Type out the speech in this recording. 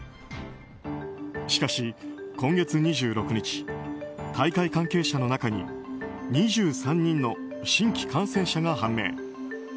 しかし、今月２６日大会関係者の中に２３人の新規感染者が判明。